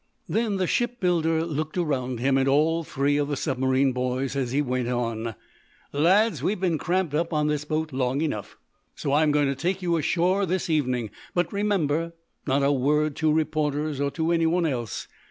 Then time shipbuilder looked around him, at all three of the submarine boys, as he went on: "Lads, we've been cramped up on this boat long enough, so I'm going to take you ashore this evening. But remember not a word to reporters, or to anyone else.